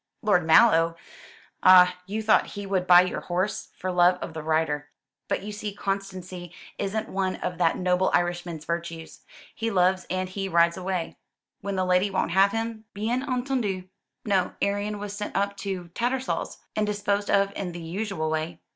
"Lord Mallow! Ah, you thought he would buy your horse, for love of the rider. But you see constancy isn't one of that noble Irishman's virtues. He loves and he rides away when the lady won't have him, bien entendu. No, Arion was sent up to Tattersall's, and disposed of in the usual way.